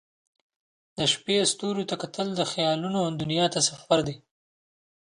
د شپې ستوریو ته کتل د خیالونو دنیا ته سفر دی.